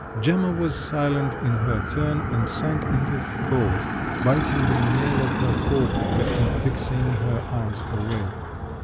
Gemma was silent in her turn, and sank into thought, biting the nail of her forefinger and fixing her eyes away.